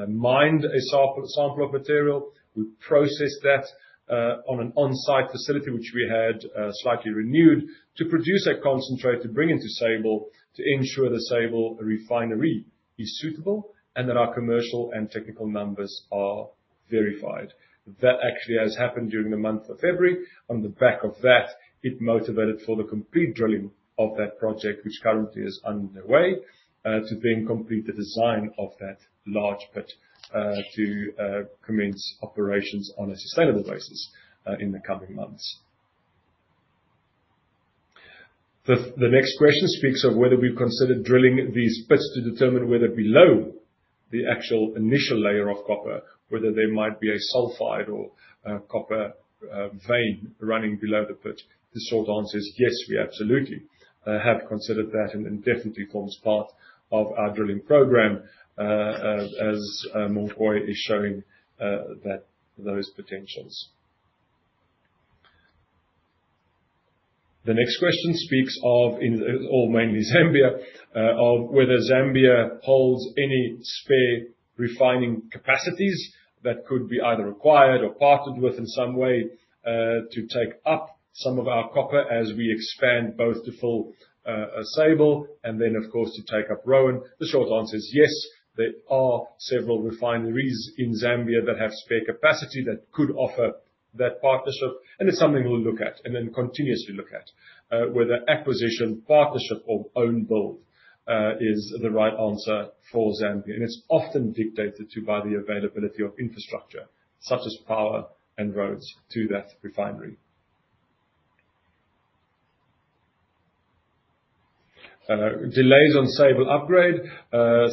mined a sample of material. We processed that on an on-site facility, which we had slightly renewed to produce a concentrate to bring into Sable to ensure the Sable Refinery is suitable and that our commercial and technical numbers are verified. That actually has happened during the month of February. On the back of that, it motivated for the complete drilling of that project, which currently is underway, to then complete the design of that large pit, to commence operations on a sustainable basis, in the coming months. The next question speaks of whether we've considered drilling these pits to determine whether below the actual initial layer of copper, whether there might be a sulfide or a copper vein running below the pit. The short answer is yes, we absolutely have considered that and it definitely forms part of our drilling program, as Munkoyo is showing, that those potentials. The next question speaks of in, or mainly Zambia, of whether Zambia holds any spare refining capacities that could be either acquired or partnered with in some way, to take up some of our copper as we expand both to full, Sable and then of course to take up Roan. The short answer is yes, there are several refineries in Zambia that have spare capacity that could offer that partnership, and it's something we'll look at and then continuously look at, whether acquisition, partnership or own build, is the right answer for Zambia. It's often dictated to by the availability of infrastructure such as power and roads to that refinery. Delays on Sable upgrade.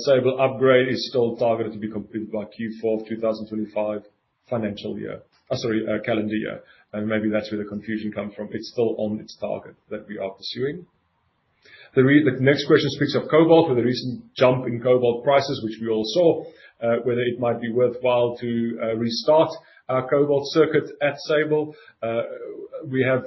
Sable upgrade is still targeted to be completed by Q4 of 2025 calendar year. Maybe that's where the confusion comes from. It's still on its target that we are pursuing. The next question speaks of cobalt. With the recent jump in cobalt prices, which we all saw, whether it might be worthwhile to restart our cobalt circuit at Sable. We have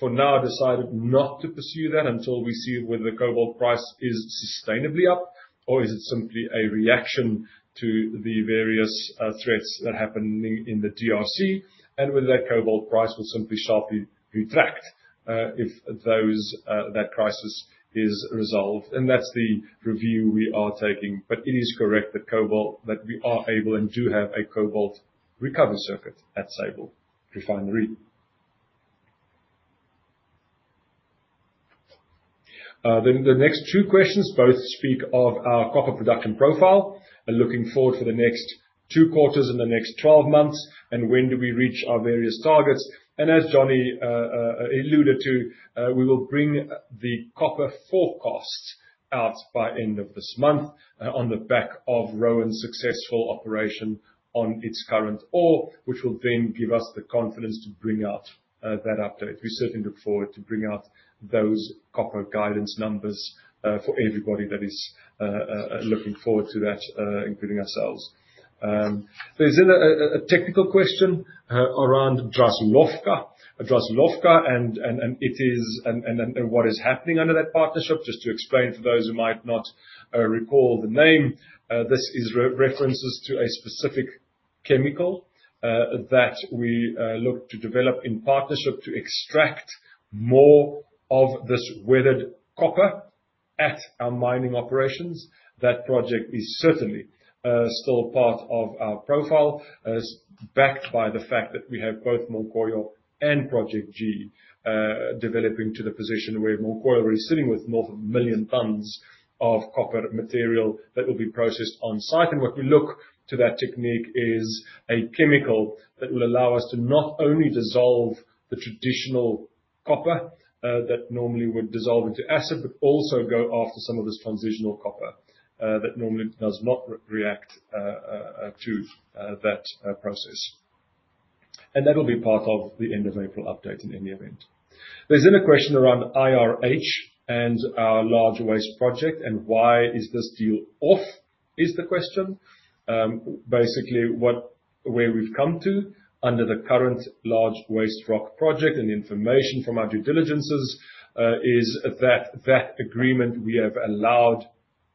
for now decided not to pursue that until we see whether the cobalt price is sustainably up or is it simply a reaction to the various threats that happen in the DRC. Whether that cobalt price will simply sharply retract if that crisis is resolved. That's the review we are taking. But it is correct that we are able and do have a cobalt recovery circuit at Sable Refinery. The next two questions both speak of our copper production profile and looking forward for the next two quarters and the next twelve months and when do we reach our various targets. As Johnny alluded to, we will bring the copper forecasts out by end of this month on the back of Roan's successful operation on its current ore, which will then give us the confidence to bring out that update. We certainly look forward to bringing out those copper guidance numbers for everybody that is looking forward to that, including ourselves. There's then a technical question around Draslovka. Draslovka and what is happening under that partnership. Just to explain for those who might not recall the name, this is references to a specific chemical that we look to develop in partnership to extract more of this weathered copper at our mining operations. That project is certainly still part of our profile, backed by the fact that we have both Munkoyo and Project G developing to the position where Munkoyo is sitting with north of 1 million tons of copper material that will be processed on-site. What we look to that technique is a chemical that will allow us to not only dissolve the traditional copper that normally would dissolve into acid, but also go after some of this transitional copper that normally does not react to that process. That'll be part of the end of April update in any event. There's a question around IRH and our large waste project and why is this deal off, is the question. Basically, where we've come to under the current large waste rock project and the information from our due diligence is that the agreement we have allowed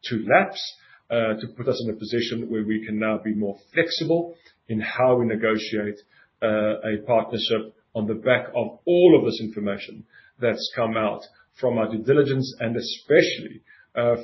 to lapse to put us in a position where we can now be more flexible in how we negotiate a partnership on the back of all of this information that's come out from our due diligence, and especially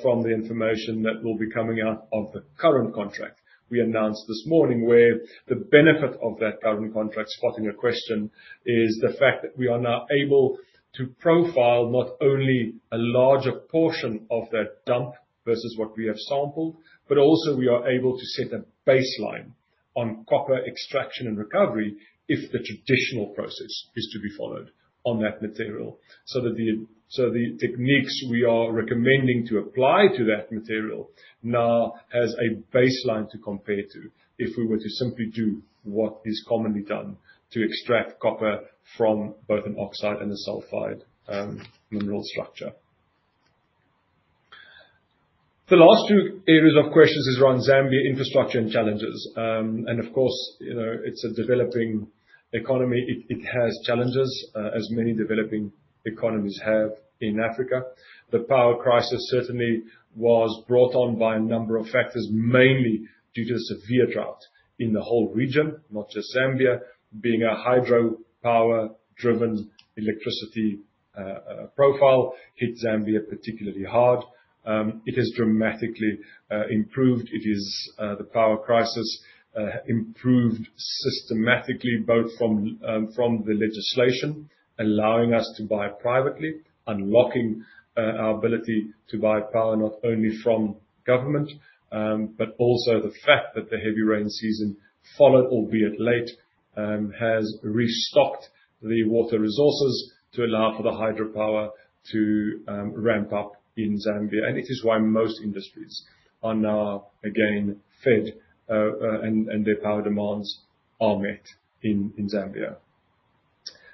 from the information that will be coming out of the current contract we announced this morning, where the benefit of that current contract posing a question is the fact that we are now able to profile not only a larger portion of that dump versus what we have sampled, but also we are able to set a baseline on copper extraction and recovery if the traditional process is to be followed on that material. The techniques we are recommending to apply to that material now has a baseline to compare to if we were to simply do what is commonly done to extract copper from both an oxide and a sulfide mineral structure. The last two areas of questions is around Zambia infrastructure and challenges. Of course, you know, it's a developing economy. It has challenges, as many developing economies have in Africa. The power crisis certainly was brought on by a number of factors, mainly due to the severe drought in the whole region, not just Zambia. Being a hydropower-driven electricity profile hit Zambia particularly hard. It has dramatically improved. It is the power crisis improved systematically, both from the legislation, allowing us to buy privately, unlocking our ability to buy power not only from government, but also the fact that the heavy rain season followed, albeit late, has restocked the water resources to allow for the hydropower to ramp up in Zambia. It is why most industries are now again fed, and their power demands are met in Zambia.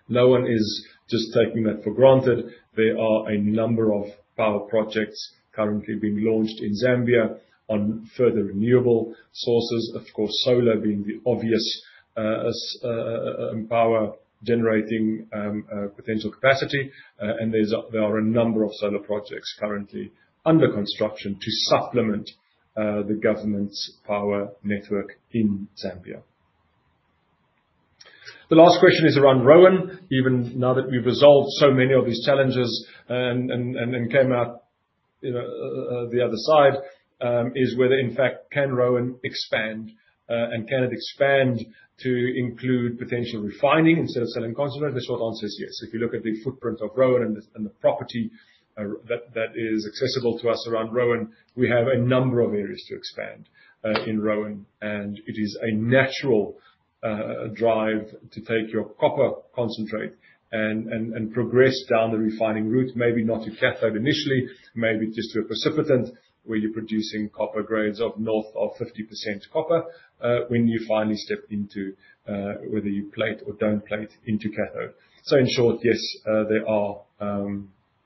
No one is just taking that for granted. There are a number of power projects currently being launched in Zambia on further renewable sources, of course, solar being the obvious power-generating potential capacity. There are a number of solar projects currently under construction to supplement the government's power network in Zambia. The last question is around Roan. Even now that we've resolved so many of these challenges and came out, you know, the other side, is whether, in fact, can Roan expand, and can it expand to include potential refining instead of selling concentrate? The short answer is yes. If you look at the footprint of Roan and the property that is accessible to us around Roan, we have a number of areas to expand in Roan. It is a natural drive to take your copper concentrate and progress down the refining route, maybe not to cathode initially, maybe just to a precipitate where you're producing copper grades of north of 50% copper, when you finally step into whether you plate or don't plate into cathode. In short, yes, there are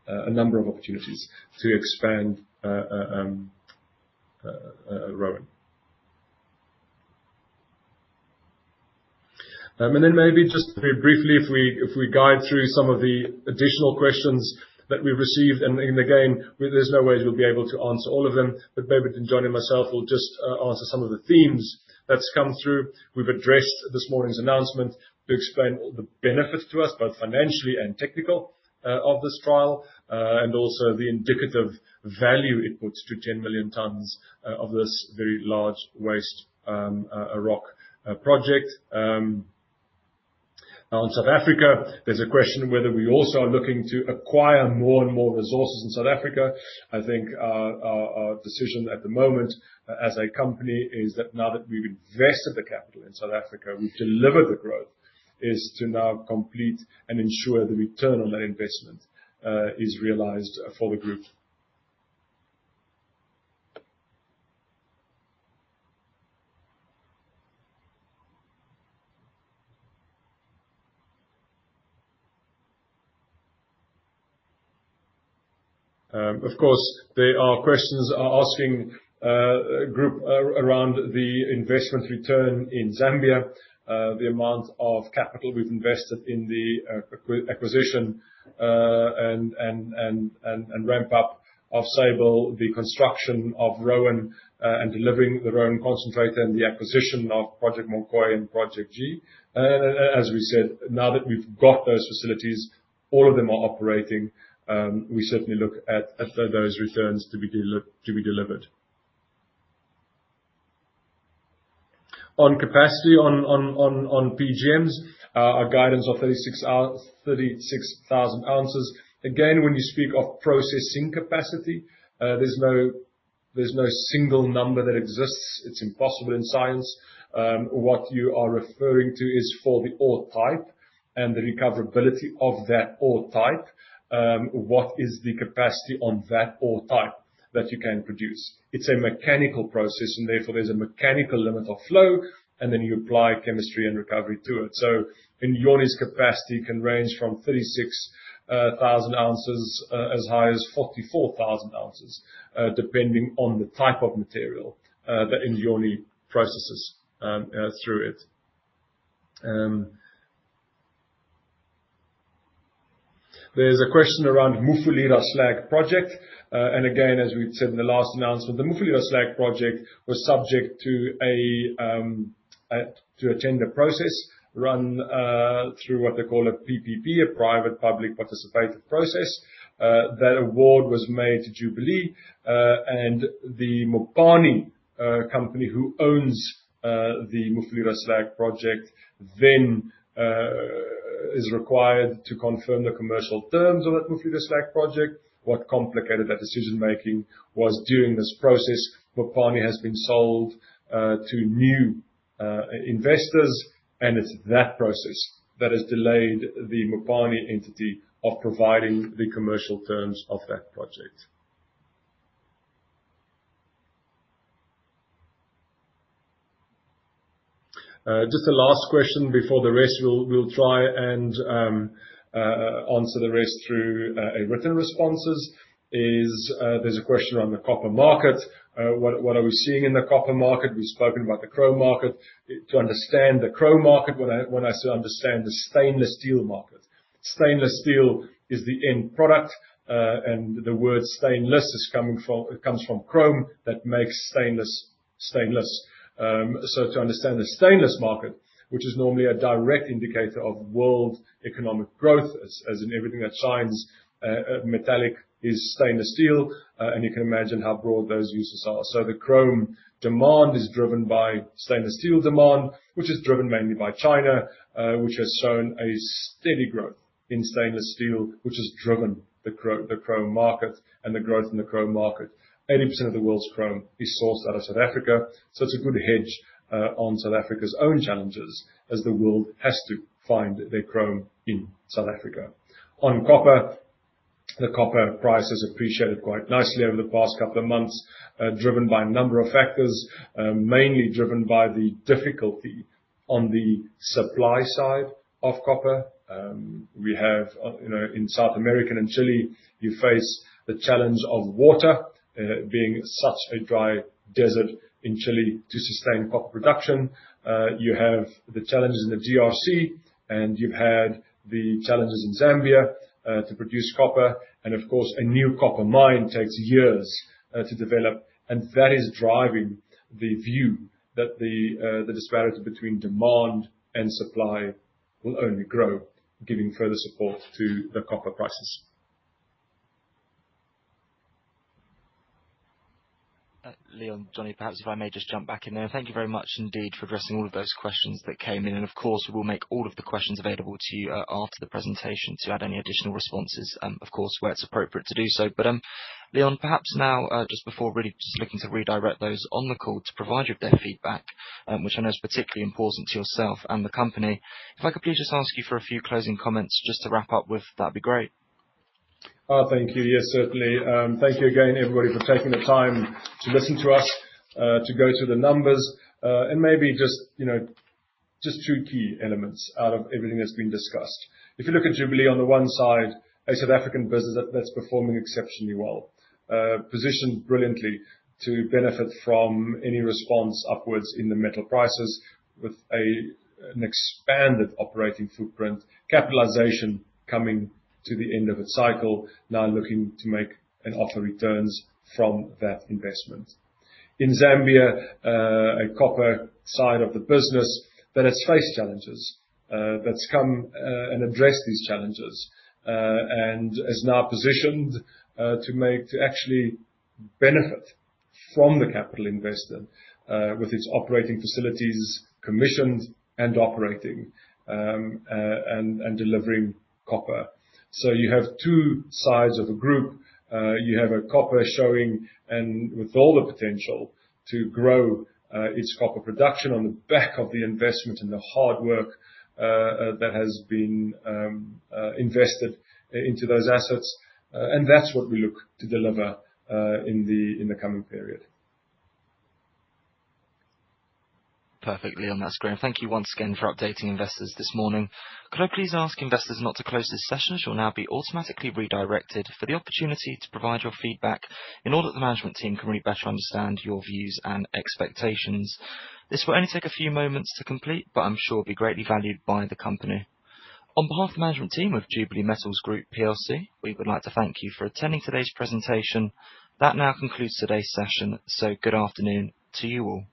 a number of opportunities to expand Roan. Then maybe just very briefly, if we guide through some of the additional questions that we received. Again, there's no way we'll be able to answer all of them. David and Johnny and myself will just answer some of the themes that's come through. We've addressed this morning's announcement to explain the benefit to us, both financially and technically, of this trial, and also the indicative value it puts to 10 million tons of this very large waste rock project. Now in South Africa, there's a question whether we also are looking to acquire more and more resources in South Africa. I think our decision at the moment as a company is that now that we've invested the capital in South Africa, we've delivered the growth, is to now complete and ensure the return on that investment is realized for the group. Of course, there are questions around the investment return in Zambia, the amount of capital we've invested in the acquisition and ramp up of Sable, the construction of Roan, and delivering the Roan concentrate and the acquisition of Munkoyo and Project G. As we said, now that we've got those facilities, all of them are operating, we certainly look at those returns to be delivered. On capacity on PGMs, our guidance of 36,000 ounces. Again, when you speak of processing capacity, there's no single number that exists. It's impossible in science. What you are referring to is for the ore type and the recoverability of that ore type. What is the capacity on that ore type that you can produce? It's a mechanical process, and therefore there's a mechanical limit of flow, and then you apply chemistry and recovery to it. Inyoni's capacity can range from 36,000 ounces as high as 44,000 ounces depending on the type of material that Inyoni processes through it. There's a question around Mufulira Slag Project. Again, as we've said in the last announcement, the Mufulira Slag Project was subject to a tender process run through what they call a PPP, a Private Public Participative process. That award was made to Jubilee. The Mopani company who owns the Mufulira Slag Project then is required to confirm the commercial terms of that Mufulira Slag Project. What complicated that decision-making was during this process, Mopani has been sold to new investors, and it's that process that has delayed the Mopani entity of providing the commercial terms of that project. Just the last question before the rest. We'll try and answer the rest through a written responses. There's a question around the copper market. What are we seeing in the copper market? We've spoken about the chrome market. To understand the chrome market, one has to understand the stainless steel market. Stainless steel is the end product, and the word stainless comes from chrome that makes stainless. To understand the stainless market, which is normally a direct indicator of world economic growth, as in everything that shines, metallic is stainless steel, and you can imagine how broad those uses are. The chrome demand is driven by stainless steel demand, which is driven mainly by China, which has shown a steady growth in stainless steel, which has driven the chrome market and the growth in the chrome market. 80% of the world's chrome is sourced out of South Africa, so it's a good hedge on South Africa's own challenges as the world has to find their chrome in South Africa. On copper, the copper price has appreciated quite nicely over the past couple of months, driven by a number of factors, mainly driven by the difficulty on the supply side of copper. We have, you know, in South America and in Chile, you face the challenge of water being such a dry desert in Chile to sustain copper production. You have the challenges in the DRC, and you've had the challenges in Zambia to produce copper. Of course, a new copper mine takes years to develop, and that is driving the view that the disparity between demand and supply will only grow, giving further support to the copper prices. Leon, Johnny, perhaps if I may just jump back in there. Thank you very much indeed for addressing all of those questions that came in. Of course, we'll make all of the questions available to you, after the presentation to add any additional responses, of course, where it's appropriate to do so. Leon, perhaps now, just before really just looking to redirect those on the call to provide you with their feedback, which I know is particularly important to yourself and the company, if I could please just ask you for a few closing comments just to wrap up with, that'd be great. Thank you. Yes, certainly. Thank you again, everybody, for taking the time to listen to us, to go through the numbers. Maybe just, you know, just two key elements out of everything that's been discussed. If you look at Jubilee on the one side, a South African business that's performing exceptionally well. Positioned brilliantly to benefit from any response upwards in the metal prices with an expanded operating footprint, capitalization coming to the end of its cycle, now looking to make and offer returns from that investment. In Zambia, a copper side of the business that has faced challenges, that's come and addressed these challenges, and is now positioned to actually benefit from the capital invested, with its operating facilities commissioned and operating, and delivering copper. You have two sides of a group. You have a copper showing and with all the potential to grow its copper production on the back of the investment and the hard work that has been invested into those assets. That's what we look to deliver in the coming period. Perfect, Leon. That's great. Thank you once again for updating investors this morning. Could I please ask investors not to close this session, as you'll now be automatically redirected for the opportunity to provide your feedback in order that the management team can really better understand your views and expectations. This will only take a few moments to complete, but I'm sure it'll be greatly valued by the company. On behalf of the management team of Jubilee Metals Group plc, we would like to thank you for attending today's presentation. That now concludes today's session, so good afternoon to you all.